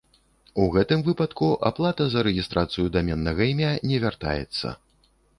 У гэтым выпадку аплата за рэгістрацыю даменнага імя не вяртаецца.